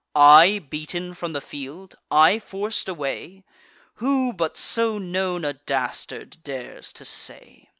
I beaten from the field? I forc'd away? Who, but so known a dastard, dares to say?